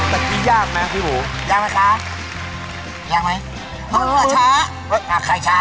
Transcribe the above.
ตะกี้ยากไหมพี่ภู